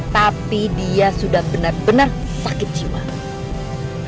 tapi dia sudah benar benar sakit jiwa